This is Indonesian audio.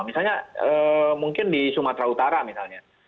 misalnya mungkin di sumatera utara misalnya